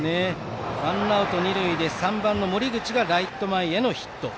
ワンアウト、二塁で３番、森口がライト前ヒット。